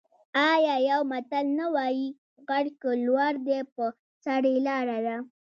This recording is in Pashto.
آیا یو متل نه وايي: غر که لوړ دی په سر یې لاره ده؟